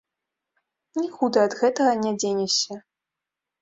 Нікуды ад гэтага не дзенешся.